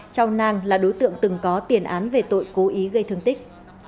châu nang là đối tượng từng có tiền án về tội cố ý gây thương tích